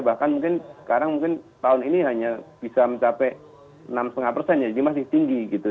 bahkan mungkin sekarang mungkin tahun ini hanya bisa mencapai enam lima persen ya jadi masih tinggi gitu